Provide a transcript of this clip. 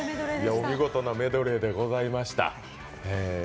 お見事なメドレーでございました。